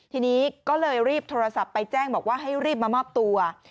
ทีนี้ก็เลยรีบโทรศัพท์ไปแจ้งบอกว่าให้รีบมามอบตัว